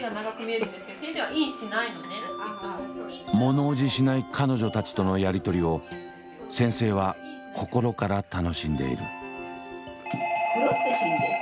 ものおじしない彼女たちとのやり取りを先生は心から楽しんでいる。